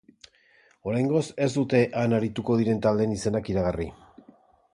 Oraingoz, ez dute han arituko diren taldeen izenak iragarri.